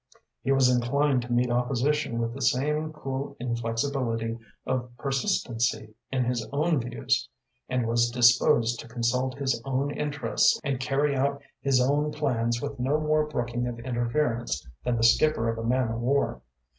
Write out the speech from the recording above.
He was inclined to meet opposition with the same cool inflexibility of persistency in his own views, and was disposed to consult his own interests and carry out his own plans with no more brooking of interference than the skipper of a man o' war.